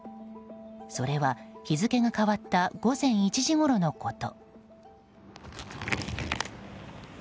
それは、日付が変わった午前１時ごろのこと。